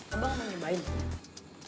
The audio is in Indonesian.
abah gak mau nyembahin